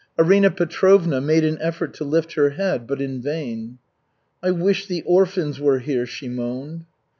Arina Petrovna made an effort to lift her head, but in vain. "I wish the orphans were here," she moaned.